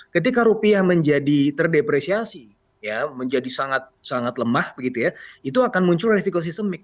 ketika rupiah menjadi terdepresiasi menjadi sangat lemah begitu ya itu akan muncul resiko sistemik